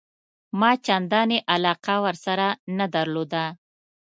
ما چنداني علاقه ورسره نه درلوده.